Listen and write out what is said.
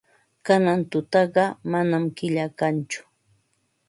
Kanan tutaqa manam killa kanchu.